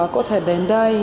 có thể đến đây